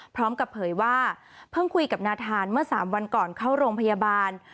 พร้อมกับเผยว่าเพิ่งคุยกับนาธานเมื่อ๓วันก่อนเข้าโรงพยาบาล